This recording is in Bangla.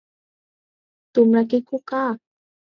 তোমরা কি খোকা!